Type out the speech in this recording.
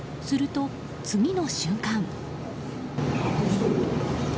すると、次の瞬間。